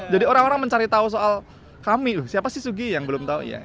jadi orang orang mencari tahu soal kami loh siapa sih sugi yang belum tahu